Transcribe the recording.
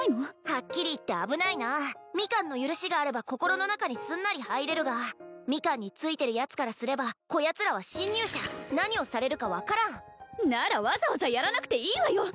はっきり言って危ないなミカンの許しがあれば心の中にすんなり入れるがミカンについてるやつからすればこやつらは侵入者何をされるか分からんならわざわざやらなくていいわよ！